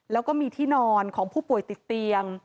แล้วก็มีที่นอนของผู้ป่วยติดเตียง